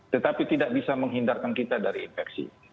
tetapi tidak bisa menghindarkan kita dari infeksi